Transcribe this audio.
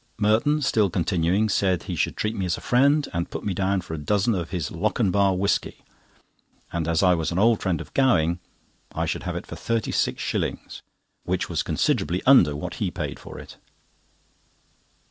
Merton, still continuing, said he should treat me as a friend, and put me down for a dozen of his "Lockanbar" whisky, and as I was an old friend of Gowing, I should have it for 36s., which was considerably under what he paid for it.